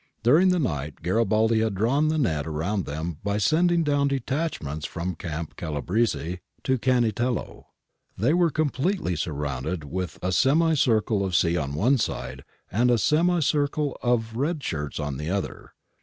During the night Garibaldi had drawn the net round them by sending down detachments from Campo Calabrese to Cannitello. They were completely surrounded with a semicircle of sea on one side, and a semicircle of red shirts on the other.